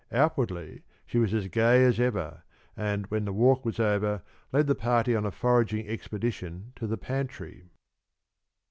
Outwardly she was as gay as ever, and when the walk was over, led the party on a foraging expedition to the pantry.